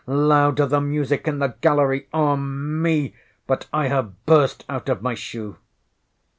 Louder, the music in the gallery! Oh, me, but I have burst out of my shoe!